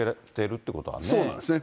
そうなんですね。